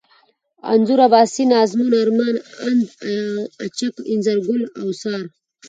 انځور ، اباسين ، ازمون ، ارمان ، اند، اڅک ، انځرگل ، اوڅار